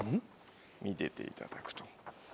見てていただくと。